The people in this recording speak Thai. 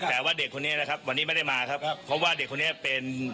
แต่ว่าเด็กคนนี้นะครับวันนี้ไม่ได้มาครับครับเพราะว่าเด็กคนนี้เป็น